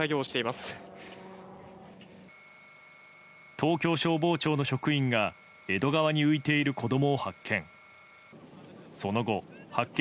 東京消防庁の職員が江戸川に浮いている子供を発見。